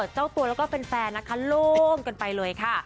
เจ้าตัวแล้วก็แฟนนะคะโล่งกันไปเลยค่ะ